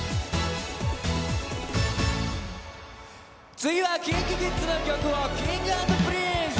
次はＫｉｎＫｉＫｉｄｓの曲をＫｉｎｇ＆Ｐｒｉｎｃｅ！